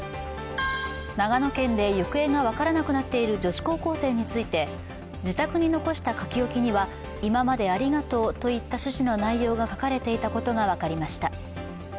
長野県で行方が分からなくなっている女子高校生について自宅に残した書き置きには、今までありがとうといった趣旨の内容が書かれていたことが分かりました。